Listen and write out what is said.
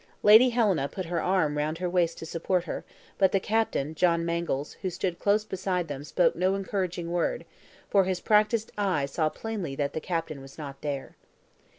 Lady Helena put her arm round her waist to support her, but the captain, John Mangles, who stood close beside them spoke no encouraging word, for his practiced eye saw plainly that the captain was not there.